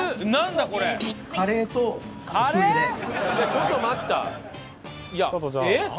ちょっと待った。